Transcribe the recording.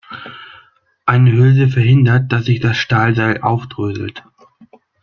Eine Hülse verhindert, dass sich das Stahlseil aufdröselt.